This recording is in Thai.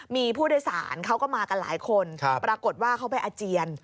มีผู้โดยสารเขาก็มากันหลายคนปรากฏว่าเขาไปอาเจียน